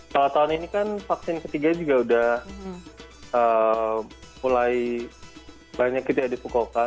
kalau tahun ini kan vaksin ketiga juga udah mulai banyak gitu ya di fukuoka